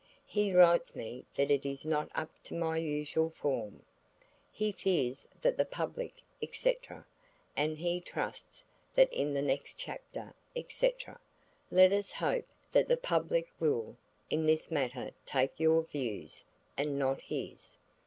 He writes me that it is not up to my usual form. He fears that the public, &c., and he trusts that in the next chapter, &c. Let us hope that the public will, in this matter take your views, and not his.